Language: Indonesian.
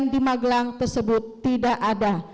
di magelang tersebut tidak ada